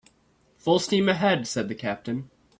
"Full steam ahead," said the captain.